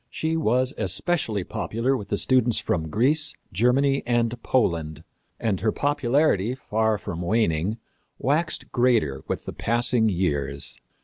She was especially popular with the students from Greece, Germany and Poland, and her popularity, far from waning, waxed greater with the passing years.